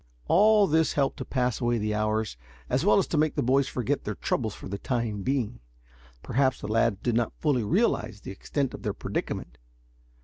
All this helped to pass away the hours as well as to make the boys forget their troubles for the time being. Perhaps the lads did not fully realize the extent of their predicament.